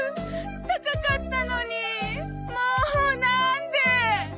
高かったのにもうなんで！？